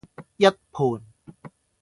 一盤